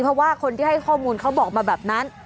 เพราะว่าคนที่ให้ข้อมูลเขาบอกมาแบบนั้น